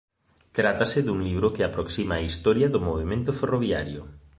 Trátase dun libro que aproxima a historia do movemento ferroviario.